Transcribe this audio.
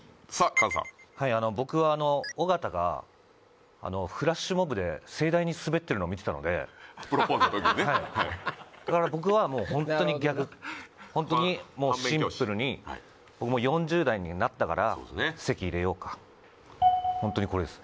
菅さんはい僕はあの尾形がフラッシュモブで盛大にスベってるのを見てたのでプロポーズの時にねはいだから僕はもうホントに逆ホントにもうシンプルに僕もホントにこれです